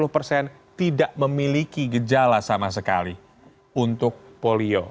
sepuluh persen tidak memiliki gejala sama sekali untuk polio